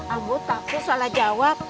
ambo takut salah jawab